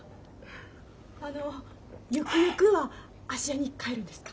あのゆくゆくは芦屋に帰るんですか？